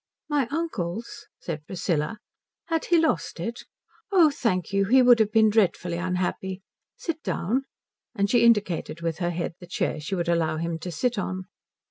"My uncle's?" said Priscilla. "Had he lost it? Oh thank you he would have been dreadfully unhappy. Sit down." And she indicated with her head the chair she would allow him to sit on.